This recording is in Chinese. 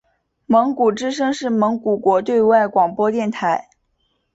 蒙古之声是蒙古国的对外广播电台。